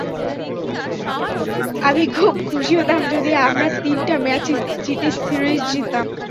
আমি খুব খুশি হতাম যদি আমরা তিনটা ম্যাচই জিতে সিরিজ জিততাম।